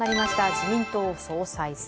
自民党総裁選。